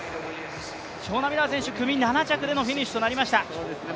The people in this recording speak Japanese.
ショウナ・ミラー選手、組７着でのフィニッシュとなりました。